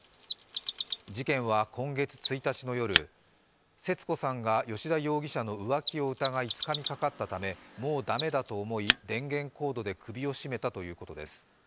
事件は今月１日の夜、節子さんが吉田容疑者の浮気を疑いつかみかかったため、もう駄目だと思い電源コードで首を絞めたということです。